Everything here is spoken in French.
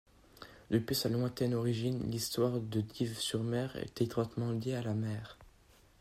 Depuis sa lointaine origine, l’histoire de Dives-sur-Mer est étroitement liée à la mer.